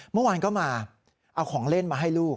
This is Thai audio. เมื่อวานก็มาเอาของเล่นมาให้ลูก